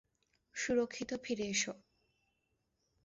সুরক্ষিত ফিরে এসো।